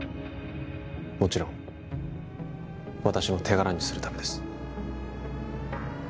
もちろん私の手柄にするためです